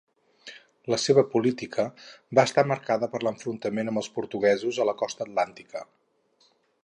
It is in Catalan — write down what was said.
La seva política va estar marcada per l'enfrontament amb els portuguesos a la costa atlàntica.